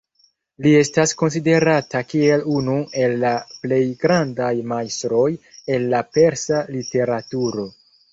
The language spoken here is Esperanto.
Li estas konsiderata kiel unu el la plej grandaj majstroj el la persa literaturo.